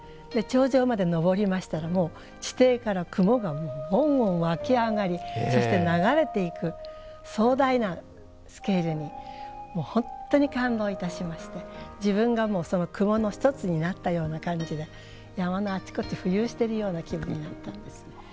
頂上まで登りましたら地底から雲がもんもん湧き上がりそして流れていく壮大なスケールにもう本当に感動いたしまして自分がその雲の一つになったような感じで山のあちこち浮遊してるような気分になったんです。